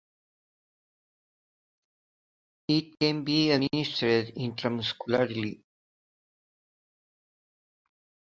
It can be administered intramuscularly.